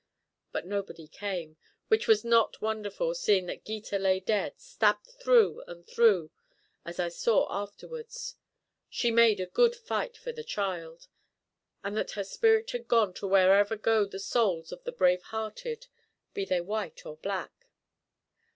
But nobody came, which was not wonderful, seeing that Gita lay dead, stabbed through and through, as I saw afterwards (she made a good fight for the child), and that her spirit had gone to wherever go the souls of the brave hearted, be they white or black.